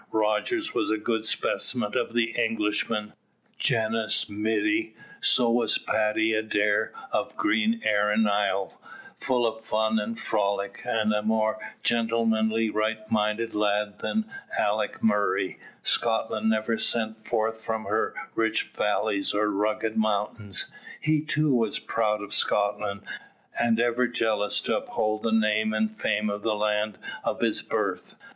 Rogers was a good specimen of the Englishman genus middy so was Paddy Adair of Green Erin's isle, full of fun and frolic; and a more gentlemanly, right minded lad than Alick Murray Scotland never sent forth from her rich valleys or rugged mountains. He too was proud of Scotland, and ever jealous to uphold the name and fame of the land of his birth.